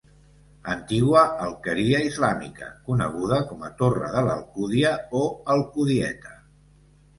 Antiga alqueria islàmica, coneguda com a Torre de l'Alcúdia o Alcudieta.